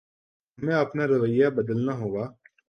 ہمیں اپنا رویہ بدلنا ہوگا